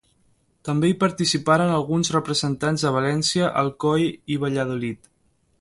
També hi participaren alguns representants de València, Alcoi i Valladolid.